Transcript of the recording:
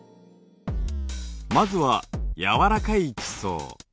まずは柔らかい地層。